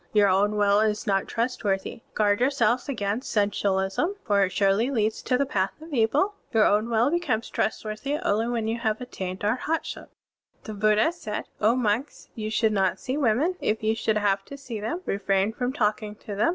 Your own will is not trustworthy. Guard yourselves against sensualism, for it surely leads to the path of evil. Your own wiU becomes trustworthy only when you have attained Arhatship." (29) The Buddha said: "O monks, you should not see women.^ [If you shotdd have tp see them], refrain from talking to them.